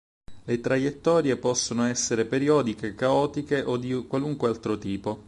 Le traiettorie possono essere periodiche, caotiche o di qualunque altro tipo.